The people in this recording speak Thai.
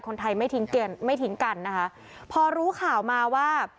คนไทยไม่ทิ้งกันไม่ทิ้งกันนะคะพอรู้ข่าวมาว่า